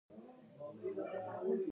آیا افغانان د ایران په اقتصاد کې رول نلري؟